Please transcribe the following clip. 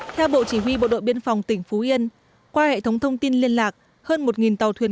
theo bộ chỉ huy bộ đội biên phòng tỉnh phú yên qua hệ thống thông tin liên lạc hơn một tàu thuyền